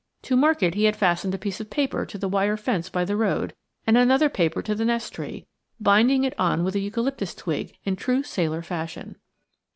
To mark it he had fastened a piece of paper to the wire fence by the road, and another paper to the nest tree, binding it on with a eucalyptus twig in true sailor fashion.